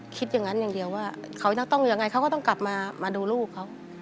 คิดอย่างนั้นอย่างเดียวว่าเขาจะต้องยังไงเขาก็ต้องกลับมามาดูลูกเขา